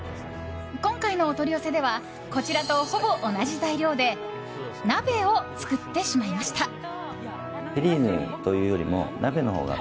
今回のお取り寄せではこちらとほぼ同じ材料で鍋を作ってしまいました。